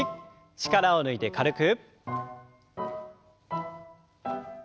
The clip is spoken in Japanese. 力を抜いて軽く。